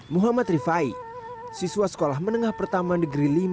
muhammad rifai siswa sekolah menengah pertama negeri lima